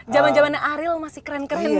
zaman zamannya ariel masih keren keren